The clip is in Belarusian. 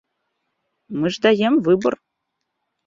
Мы ж даем выбар.